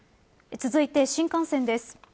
続いて新幹線です。